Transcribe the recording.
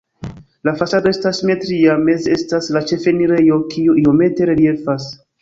La fasado estas simetria, meze estas la ĉefenirejo, kiu iomete reliefas.